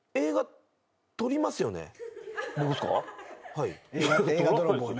はい。